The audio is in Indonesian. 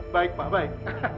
baik pak baik